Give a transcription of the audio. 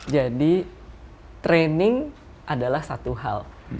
jadi training adalah satu hal